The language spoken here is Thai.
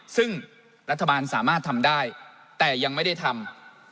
ซึ่งรัฐบาลสามารถทำได้แต่ยังไม่ได้ทำ